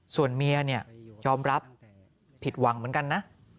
ส่วนเมียเนี่ยยอมรับผิดหวังเหมือนกันนะ